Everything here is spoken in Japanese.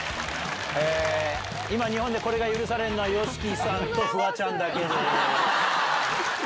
今、日本でこれが許されるのは、ＹＯＳＨＩＫＩさんとフワちゃんだけです。